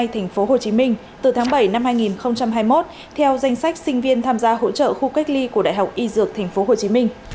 tp hcm từ tháng bảy năm hai nghìn hai mươi một theo danh sách sinh viên tham gia hỗ trợ khu cách ly của đại học y dược tp hcm